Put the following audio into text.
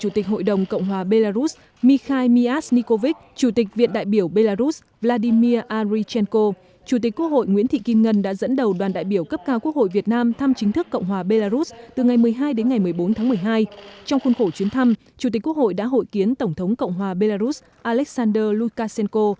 trong khuôn khổ chuyến thăm chủ tịch quốc hội đã hội kiến tổng thống cộng hòa belarus alexander lukashenko